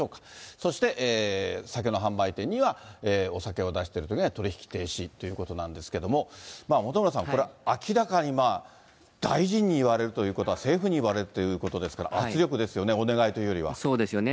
そして、酒の販売店には、お酒を出してるところには取り引き停止っていうことなんですけれども、本村さん、これ、明らかに大臣に言われるということは、政府に言われるということですから、圧力ですよね、お願いというそうですよね。